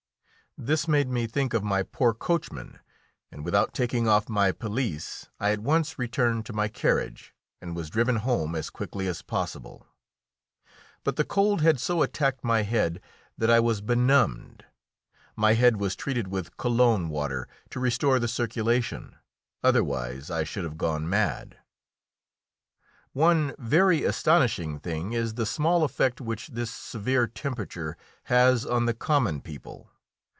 This made me think of my poor coachman, and without taking off my pelisse I at once returned to my carriage, and was driven home as quickly as possible. But the cold had so attacked my head that I was benumbed. My head was treated with Cologne water to restore the circulation; otherwise I should have gone mad. One very astonishing thing is the small effect which this severe temperature has on the common people.